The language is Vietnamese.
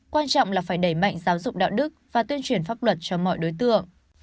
quan trọng là phải đẩy mạnh giáo dục đạo đức và tuyên truyền pháp luật cho mọi đối tượng